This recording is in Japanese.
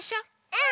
うん！